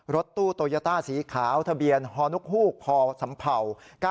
รถตู้โตยาต้าสีขาวทะเบียนฮอนุคฮูกพสำเภา